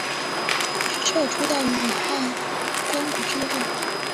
徐擎出道于武汉光谷俱乐部。